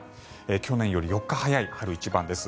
去年より４日早い春一番です。